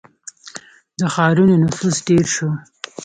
• د ښارونو نفوس ډېر شو.